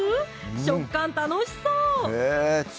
食感楽しそう！